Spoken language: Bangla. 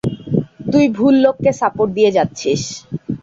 তুই ভুল লোককে সাপোর্ট দিয়ে যাচ্ছিস।